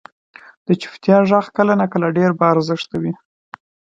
• د چپتیا ږغ کله ناکله ډېر با ارزښته وي.